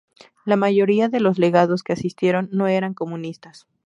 La mayoría de los delegados que asistieron no eran comunistas.